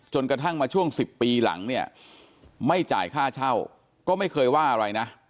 กระทั่งมาช่วง๑๐ปีหลังเนี่ยไม่จ่ายค่าเช่าก็ไม่เคยว่าอะไรนะ